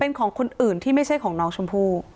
เป็นของคนอื่นที่ไม่ใช่ของน้องชมพู่